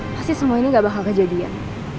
pasti semua ini gak bakal kejadian